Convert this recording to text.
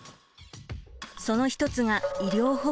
その一つが医療保険。